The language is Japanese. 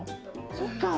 そっか。